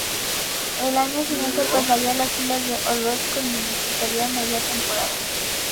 Al año siguiente pasaría las filas del Olot, con el que disputaría media temporada.